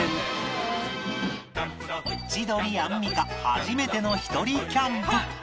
千鳥アンミカ初めてのひとりキャンプ